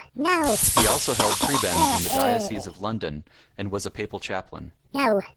He also held prebends in the diocese of London and was a papal chaplain.